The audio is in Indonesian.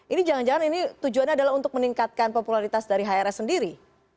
ini jangan jangan ini tujuannya adalah untuk meningkatkan popularitas dari hrs sendiri